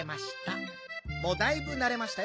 もうだいぶなれましたよ